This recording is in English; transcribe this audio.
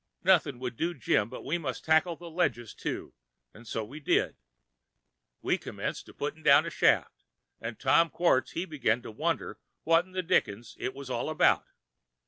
Noth'n' would do Jim, but we must tackle the ledges, too, 'n' so we did. We commenced putt'n' down a shaft, 'n' Tom Quartz he begin to wonder what in[Pg 146] the Dickens it was all about.